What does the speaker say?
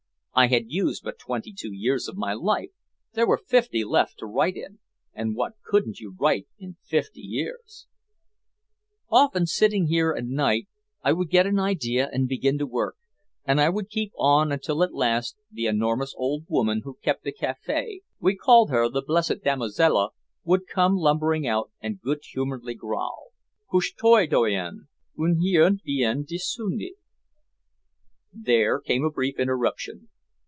I had used but twenty two years of my life, there were fifty left to write in, and what couldn't you write in fifty years! Often, sitting here at night, I would get an idea and begin to work, and I would keep on until at last the enormous old woman who kept the café we called her "The Blessed Damozel" would come lumbering out and good humoredly growl, "Couches toi donc. Une heure vient de sonner." There came a brief interruption.